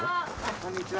こんにちは。